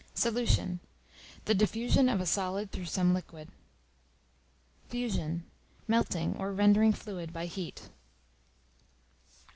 Solution, the diffusion of a solid through some liquid. Fusion, melting, or rendering fluid by heat.